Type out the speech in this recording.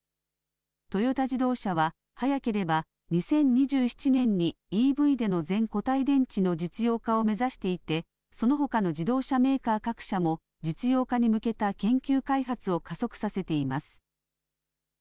トヨタ自動車は早ければ２０２７年にＥＶでの全固体電池の実用化を目指していてそのほかの自動車メーカー各社も実用化に向けた研究開発を加速させています。